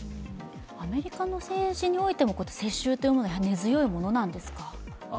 アメリカの政治においても世襲は根強いものなんですか？